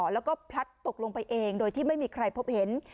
แล้วก็พลัดตกลงไปเองโดยที่ไม่มีใครพบเห็น